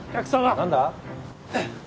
何だ？